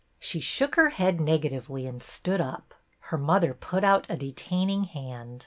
She shook her head negatively and stood up. Her mother put out a detaining hand.